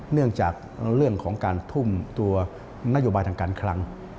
เนื่องจากเรื่องของการทุ่มตัวนโยบายทางการคลัง